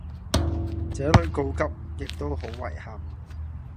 這裡告急亦都好遺憾